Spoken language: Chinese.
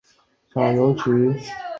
小油菊为菊科小葵子属下的一个种。